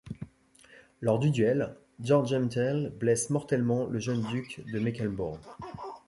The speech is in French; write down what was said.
Lors du duel, Georges Jametel blesse mortellement le jeune duc de Mecklembourg.